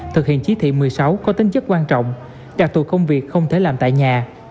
thực hiện chí thị một mươi sáu có tính chất quan trọng đặc thù công việc không thể làm tại nhà